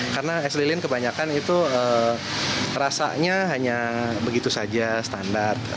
karena es lilin kebanyakan itu rasanya hanya begitu saja standar